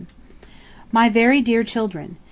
MY VERY DEAR CHILDREN